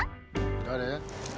誰？